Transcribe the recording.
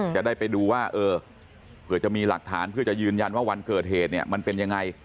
จะได้ไปดูว่าเออเผื่อจะมีหลักฐานเพื่อจะยืนยันว่าวันเกิดเหตุเนี่ยมันเป็นยังไง